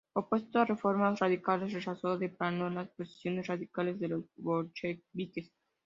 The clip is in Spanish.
Opuesto a reformas radicales, rechazó de plano las posiciones radicales de los bolcheviques.